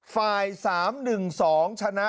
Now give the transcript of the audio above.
ฝ่าย๓๑๒ชนะ